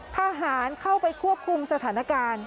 ทหารเข้าไปควบคุมสถานการณ์